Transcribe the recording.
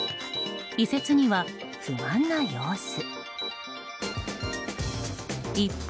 移設には不満な様子。